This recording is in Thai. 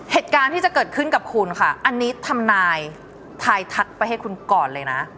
เหตุการณ์ที่จะเกิดขึ้นกับคุณค่ะอันนี้ทำนายทายทักไปให้คุณก่อนเลยนะ